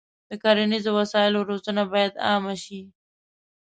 د کرنیزو وسایلو روزنه باید عامه شي.